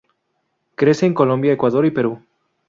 Crece en Colombia, Ecuador y Perú.